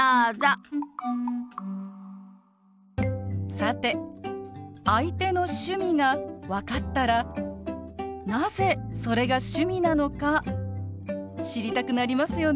さて相手の趣味が分かったらなぜそれが趣味なのか知りたくなりますよね。